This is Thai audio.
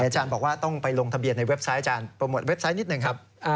อาจารย์บอกว่าต้องไปลงทะเบียนในเว็บไซต์อาจารย์โปรโมทเว็บไซต์นิดหนึ่งครับ